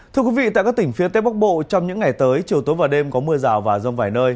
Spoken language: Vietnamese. thưa quý vị tại các tỉnh phía tây bắc bộ trong những ngày tới chiều tối và đêm có mưa rào và rông vài nơi